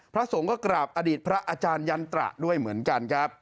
พระสงฆ์ก็กราบอดีตพระอาจารยันตระด้วยเหมือนกันครับ